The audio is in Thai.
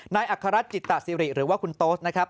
อัครรัฐจิตสิริหรือว่าคุณโต๊สนะครับ